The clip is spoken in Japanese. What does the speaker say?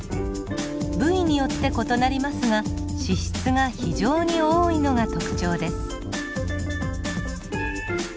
部位によって異なりますが脂質が非常に多いのが特徴です。